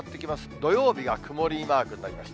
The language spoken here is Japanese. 土曜日が曇りマークになりました。